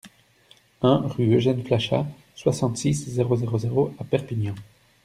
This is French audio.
un rue Eugene Flachat, soixante-six, zéro zéro zéro à Perpignan